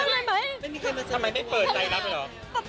ทำไมไม่เปิดใจแล้วไปหรอ